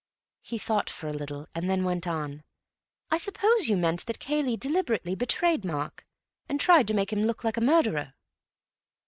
He thought for a little, and then went on, "I suppose you meant that Cayley deliberately betrayed Mark, and tried to make him look like a murderer?"